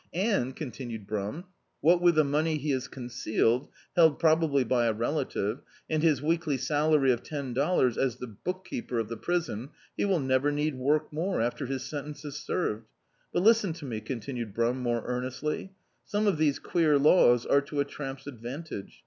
And," continued Brum, "what with the money he has concealed — held probably by a relative — and his weekly salary of ten dollars as the bookkeeper of the prison, he will never need work more, after his sentence is served. But, listen to me," continued Brum more earnestly, "some of these queer laws are to a tramp's advantage.